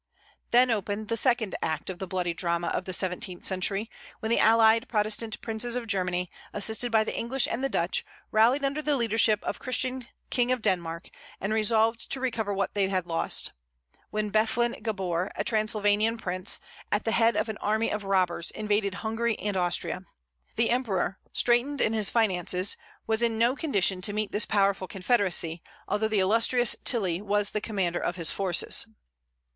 Then opened the second act of the bloody drama of the seventeenth century, when the allied Protestant princes of Germany, assisted by the English and the Dutch, rallied under the leadership of Christian, King of Denmark, and resolved to recover what they had lost; while Bethlen Gabor, a Transylvanian prince, at the head of an army of robbers, invaded Hungary and Austria. The Emperor, straitened in his finances, was in no condition to meet this powerful confederacy, although the illustrious Tilly was the commander of his forces.